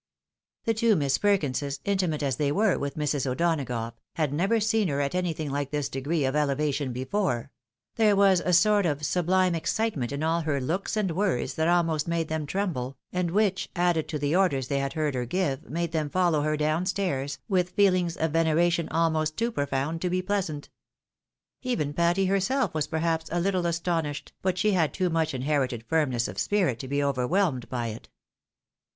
The two Miss Perkinses, intimate as they were with Mrs. O'Donagough, had never seen her at anything like this degree of elevation before ; there was a sort of sublime excitement in aU her looks and words that almost made them tremble, and which, added to the orders they had heard her give, made them follow her down stairs, with feelings of veneration almost too profound to be pleasant. Even Patty herself was perhaps a little aston ished, but she had too much inherited firmness of spirit to be overwhelmed by it.